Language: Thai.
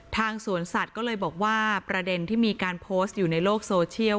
สวนสัตว์ก็เลยบอกว่าประเด็นที่มีการโพสต์อยู่ในโลกโซเชียล